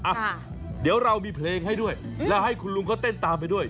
อ่ะเดี๋ยวเรามีเพลงให้ด้วยแล้วให้คุณลุงเขาเต้นตามไปด้วย